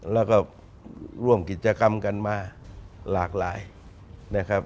แล้วก็ร่วมกิจกรรมกันมาหลากหลายนะครับ